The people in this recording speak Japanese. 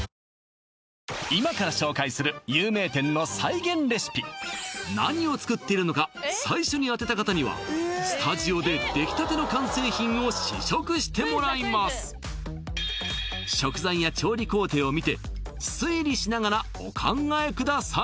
今から紹介する何を作っているのか最初に当てた方にはスタジオでできたての完成品を試食してもらいます食材や調理工程を見て推理しながらお考えください